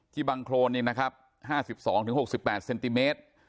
บังโครนนี่นะครับ๕๒๖๘เซนติเมตร